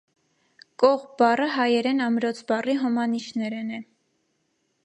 Կողբ բառը հայերէն ամրոց բառի հոմանիշներէն է։